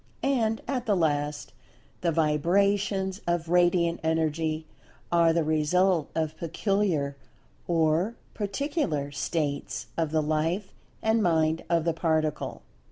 And, at the last, the Vibrations of Radiant Energy are the result of peculiar or particular "states" of the Life and Mind of the Particle.